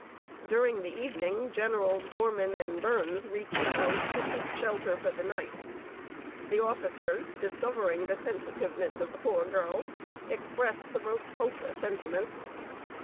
During the evening, Generals Gorman and Burns reached the house to seek shelter for the night. The officers, discovering the sensitiveness of the poor girl, expressed the most ultra sentiments.